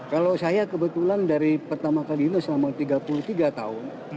kalau saya kebetulan dari pertama kali itu selama tiga puluh tiga tahun